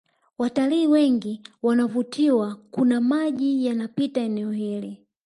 Watalii wengi wanavutiwa kuna maji yanapita eneo hili